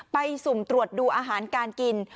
สุ่มตรวจดูอาหารการกิน